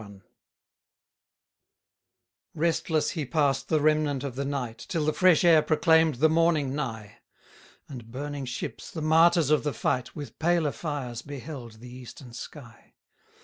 102 Restless he pass'd the remnant of the night, Till the fresh air proclaimed the morning nigh: And burning ships, the martyrs of the fight, With paler fires beheld the eastern sky.